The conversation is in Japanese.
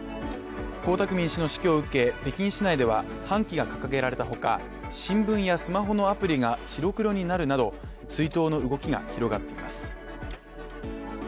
江沢民氏の死去を受け、北京市内では半旗が掲げられたほか、新聞やスマホのアプリが白黒になるなど追悼の動きが広がっています。